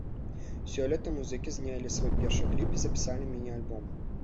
Сёлета музыкі знялі свой першы кліп і запісалі міні-альбом.